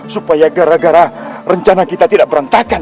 supaya karena rencana kita tidak berantakan